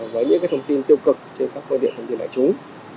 với những cái thông tin tiêu cực trên các cơ địa thông tin đại chúng